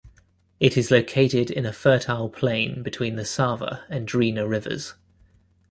It is located in a fertile plain between the Sava and Drina rivers.